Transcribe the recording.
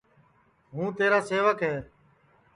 ہوں تیرا سیوک ہے